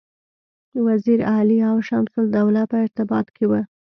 وزیر علي او شمس الدوله په ارتباط کې وه.